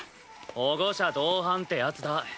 保護者同伴ってやつだ。